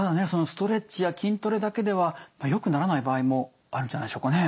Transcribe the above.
ストレッチや筋トレだけではよくならない場合もあるんじゃないでしょうかね。